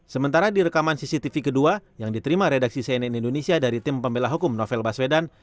sementara di rekaman cctv kedua yang diterima redaksi cnn indonesia dari tim pembela hukum novel baswedan